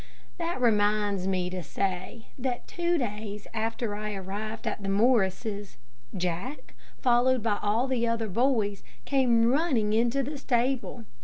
That reminds me to say, that two days after I arrived at the Morrises', Jack, followed by all the other boys, came running into the stable.